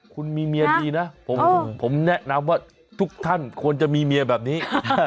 คุณมีเมียดีนะผมแนะนำว่าทุกท่านควรจะมีเมียแบบนี้